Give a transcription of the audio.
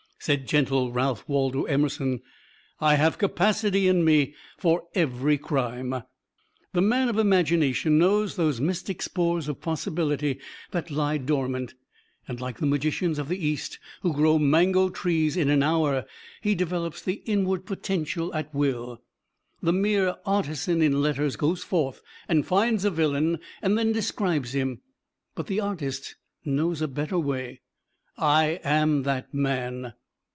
Said gentle Ralph Waldo Emerson, "I have capacity in me for every crime." The man of imagination knows those mystic spores of possibility that lie dormant, and like the magicians of the East who grow mango trees in an hour, he develops the "inward potential" at will. The mere artisan in letters goes forth and finds a villain and then describes him, but the artist knows a better way: "I am that man."